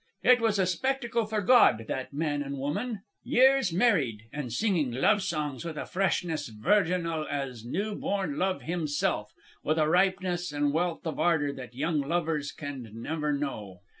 "It was a spectacle for God, that man and woman, years married, and singing love songs with a freshness virginal as new born Love himself, with a ripeness and wealth of ardour that young lovers can never know.